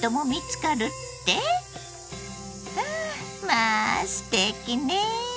まあすてきねぇ！